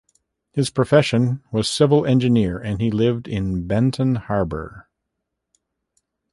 His profession was civil engineer and he lived in Benton Harbor.